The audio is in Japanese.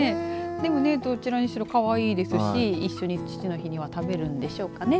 でもね、どちらにしろかわいいですし一緒に父の日には食べるんでしょうかね。